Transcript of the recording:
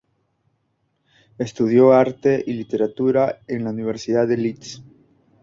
Estudió arte y literatura en la Universidad de Leeds.